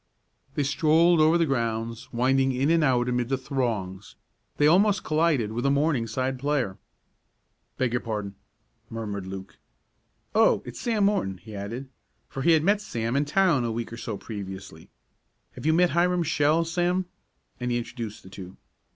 They strolled over the grounds, winding in and out amid the throngs. They almost collided with a Morningside player. "Beg your pardon," murmured Luke. "Oh, it's Sam Morton," he added, for he had met Sam in town a week or so previously. "Have you met Hiram Shell, Sam," and he introduced the two.